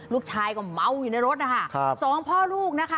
ลูกชายก็เมาอยู่ในรถนะคะสองพ่อลูกนะคะ